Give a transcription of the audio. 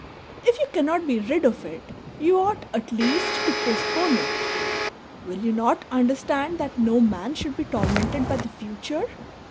If you cannot be rid of it, you ought at least to postpone it. Will you not understand that no man should be tormented by the future